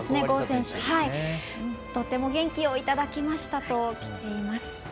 郷選手にとても元気をいただきましたときています。